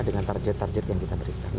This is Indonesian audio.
dengan target target yang kita berikan